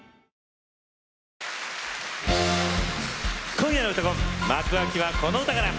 今夜の「うたコン」幕開きは、この歌から。